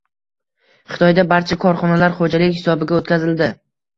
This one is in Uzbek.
Xitoyda barcha korxonalar xo‘jalik hisobiga o‘tkazildi.